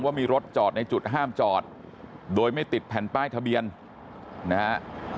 ว่ามีรถจอดในจุดห้ามจอดโดยไม่ติดแผ่นป้ายทะเบียนนะฮะ